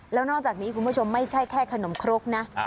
แล้วนอกจากนี้คุณผู้ชมไม่ใช่แค่ขนมครกนะ